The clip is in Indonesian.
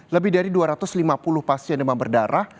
lebih dari dua ratus lima puluh pasien demam berdarah